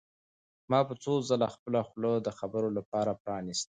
ما به څو ځله خپله خوله د خبرو لپاره پرانیسته.